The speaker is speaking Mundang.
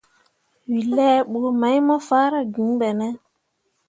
We laa bə mai mo faara gŋ be ne?